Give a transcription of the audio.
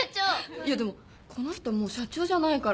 いやでもこの人もう社長じゃないから。